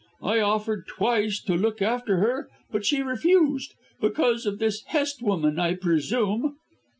I offered twice to look after her, but she refused because of this Hest woman, I presume."